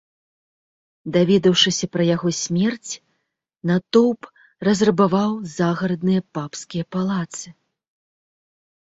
Даведаўшыся пра яго смерць, натоўп разрабаваў загарадныя папскія палацы.